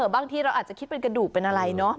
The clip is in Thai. บางทีเราอาจจะคิดเป็นกระดูกเป็นอะไรเนอะ